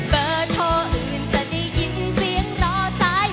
เบอร์โทรอื่นจะได้ยินเสียงรอซ้าย